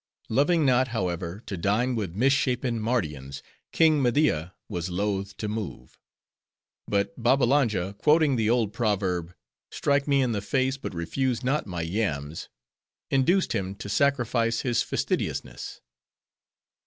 Loving not, however, to dine with misshapen Mardians, King Media was loth to move. But Babbalanja, quoting the old proverb—"Strike me in the face, but refuse not my yams," induced him to sacrifice his fastidiousness.